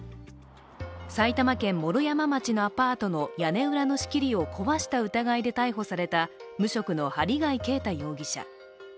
埼玉県毛呂山町のアパートの屋根裏の仕切りを壊した疑いで逮捕された無職の針谷啓太容疑者。